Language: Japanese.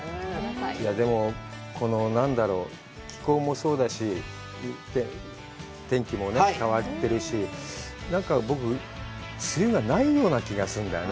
でも、この何だろう、気候もそうだし、天気もね、変わってるし、何か、僕、梅雨がないような気がするんだよね。